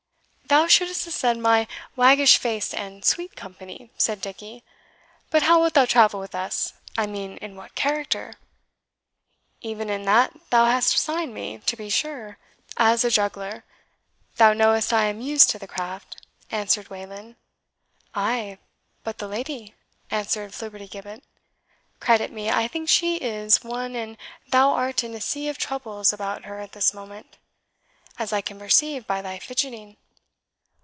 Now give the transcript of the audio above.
"Thou shouldst have said my waggish face and sweet company," said Dickie; "but how wilt thou travel with us I mean in what character?" "E'en in that thou hast assigned me, to be sure as a juggler; thou knowest I am used to the craft," answered Wayland. "Ay, but the lady?" answered Flibbertigibbet. "Credit me, I think she IS one and thou art in a sea of troubles about her at this moment, as I can perceive by thy fidgeting."